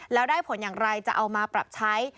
แล้วได้ผลอย่างไรจะเอามาปรับใช้